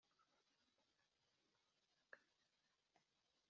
muzamushake mubiganireho na we